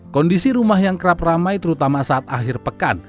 kondisi rumah yang kerap ramai terutama saat akhir pekan